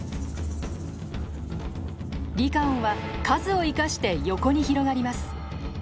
リカオンは数を生かして横に広がります。